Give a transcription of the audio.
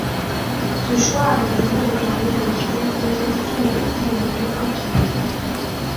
Ce choix a l'intérêt de permettre d'éviter l'introduction de parties de mesure infinie.